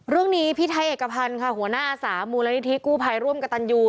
พี่ไทยเอกพันธ์ค่ะหัวหน้าอาสามูลนิธิกู้ภัยร่วมกับตันยู